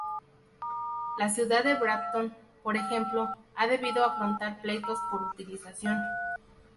La Ciudad de Brampton, por ejemplo, ha debido afrontar pleitos por su utilización.